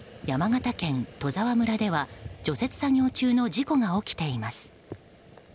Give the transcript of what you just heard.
山形県戸沢村では除雪作業中の事故が起きています。